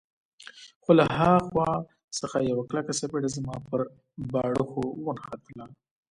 خو له ها خوا څخه یوه کلکه څپېړه زما پر باړخو ونښتله.